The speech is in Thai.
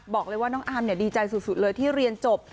บอกเลยว่าน้องอาร์มดีใจสุดเลยที่เรียนจบ